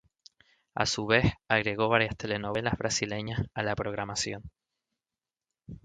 A su vez, agregó varias telenovelas brasileñas a la programación.